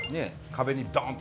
壁にドーン！